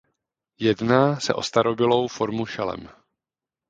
Jedná se o starobylou formu šelem.